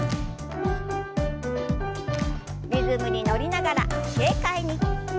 リズムに乗りながら軽快に。